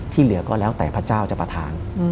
เหลือก็แล้วแต่พระเจ้าจะประธาน